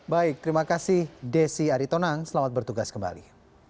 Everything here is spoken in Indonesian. baik terima kasih desi aritonang selamat bertugas kembali